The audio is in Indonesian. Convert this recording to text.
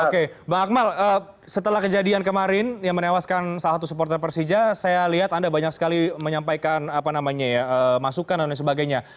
oke bang akmal setelah kejadian kemarin yang menewaskan salah satu supporter persija saya lihat anda banyak sekali menyampaikan masukan dan lain sebagainya